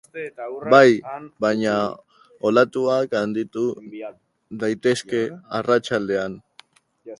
Bai, baina olatuak handitu daitezke arratsaldean.